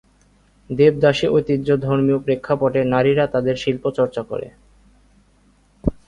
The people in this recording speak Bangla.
দেবদাসী ঐতিহ্য ধর্মীয় প্রেক্ষাপটে নারীরা তাদের শিল্প চর্চা করে।